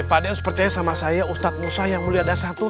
pak adeh harus percaya sama saya ustaz musa yang mulia dan santur